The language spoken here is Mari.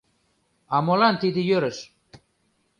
А молан тиде йӧрыш?